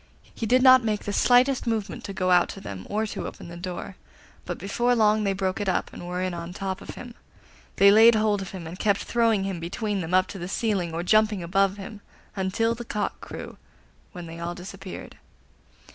He did not make the slightest movement to go out to them or to open the door, but before long they broke it up, and were in on top of him. They laid hold of him, and kept throwing him between them up to the ceiling, or jumping above him, until the cock crew, when they all disappeared.